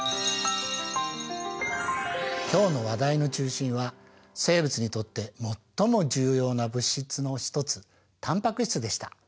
今日の話題の中心は生物にとって最も重要な物質の一つタンパク質でした。